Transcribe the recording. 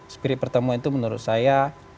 spirit pertemuan itu menurut saya